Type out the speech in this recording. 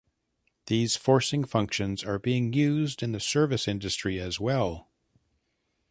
These forcing functions are being used in the service industry as well.